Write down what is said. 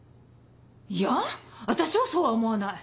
いや私はそうは思わない。